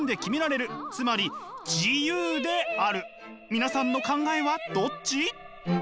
皆さんの考えはどっち？